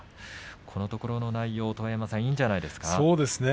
このところの内容いいんじゃないですか。